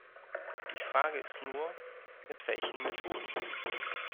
Die Frage ist nur, mit welchen Methoden.